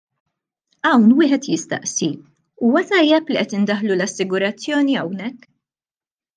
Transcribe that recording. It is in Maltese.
Hawn wieħed jistaqsi: Huwa tajjeb li qed indaħħlu l-assigurazzjoni hawnhekk?